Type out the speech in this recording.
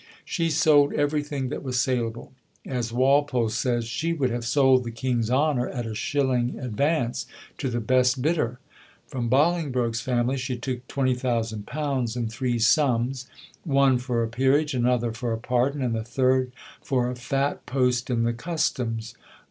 She sold everything that was saleable. As Walpole says, "She would have sold the King's honour at a shilling advance to the best bidder." From Bolingbroke's family she took £20,000 in three sums one for a Peerage, another for a pardon, and the third for a fat post in the Customs.